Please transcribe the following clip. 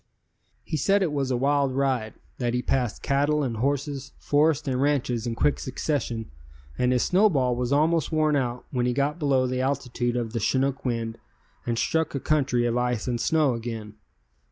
He said it was a wild ride, that he passed cattle and horses, forests and ranches in quick succession and his snowball was almost worn out when he got below the altitude of the chinook wind and struck a country of ice and snow again.